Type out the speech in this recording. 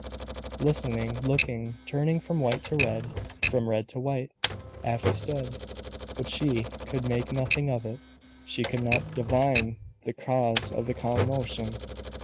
Listening, looking, turning from white to red, from red to white, Afy stood. But she could make nothing of it; she could not divine the cause of the commotion.